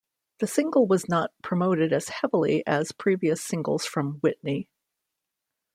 The single was not promoted as heavily as previous singles from "Whitney".